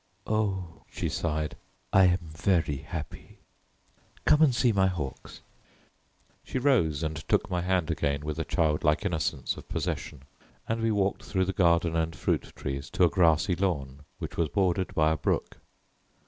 "Oh," she sighed, "I am very happy. Come and see my hawks." She rose and took my hand again with a childlike innocence of possession, and we walked through the garden and fruit trees to a grassy lawn which was bordered by a brook.